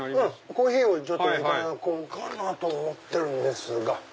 コーヒーをいただこうかなと思ってるんですが。